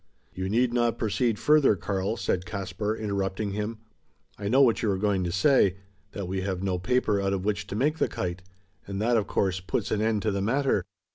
"You need not proceed further, Karl," said Caspar, interrupting him. "I know what you are going to say: that we have no paper out of which to make the kite; and that, of course, puts an end to the matter.